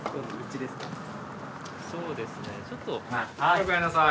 ・おかえりなさい。